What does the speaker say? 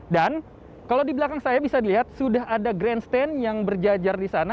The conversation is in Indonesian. dan kalau di belakang saya bisa dilihat sudah ada grandstand yang berjajar di sana